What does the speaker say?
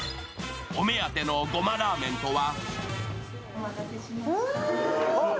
お目当てのごまラーメンとは？